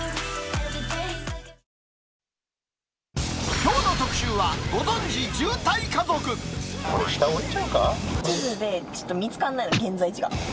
きょうの特集は、ご存じ、下、地図でちょっと見つからないの、現在地が。